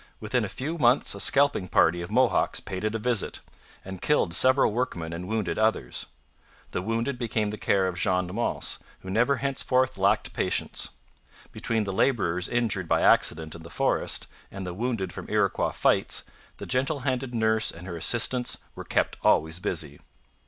Within a few months a scalping party of Mohawks paid it a visit, and killed several workmen and wounded others. The wounded became the care of Jeanne Mance, who never henceforth lacked patients. Between the labourers injured by accident in the forest and the wounded from Iroquois fights, the gentle handed nurse and her assistants were kept always busy.